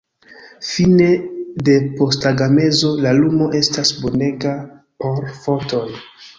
Fine de postagmezo, la lumo estas bonega por fotoj.